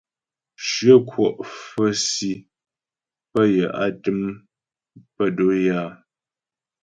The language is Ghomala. Shyə kwɔ' fə̌ si pə́ yə á təm si pə́ do'o é áa.